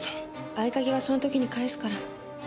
合鍵はその時に返すから。